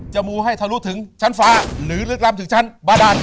จะมูให้เธอรู้ถึงชั้นฟ้าหรือเริ่มรับถึงชั้นบาดาล